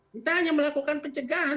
kita hanya melakukan pencegahan